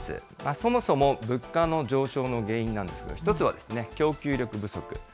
そもそも物価の上昇の要因なんですが、一つは供給力不足。